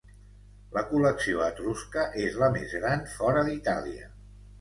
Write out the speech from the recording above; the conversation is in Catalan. La col·lecció etrusca és la més gran fora d'Itàlia.